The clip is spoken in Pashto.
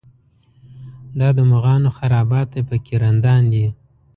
دا د مغانو خرابات دی په کې رندان دي.